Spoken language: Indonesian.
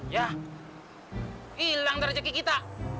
yah hilang dari jeki kita